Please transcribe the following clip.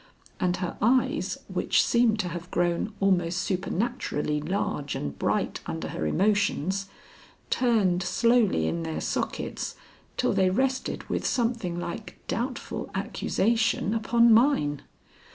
And her eyes, which seemed to have grown almost supernaturally large and bright under her emotions, turned slowly in their sockets till they rested with something like doubtful accusation upon mine.